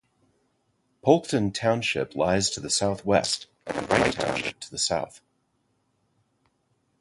Polkton Township lies to the southwest and Wright Township to the south.